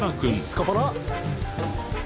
スカパラ！？